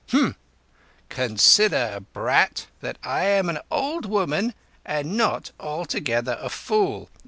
"Humph! Consider, brat, that I am an old woman and not altogether a fool.